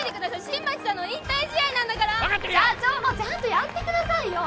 新町さんの引退試合なんだから社長もちゃんとやってくださいよ